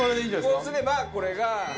こうすればこれが。